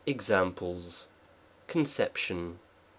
EXAMPLES. Conception.